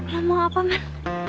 lo mau apa man